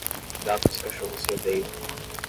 Gatos e cachorros se odeiam.